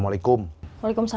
uhlanda mem decimanya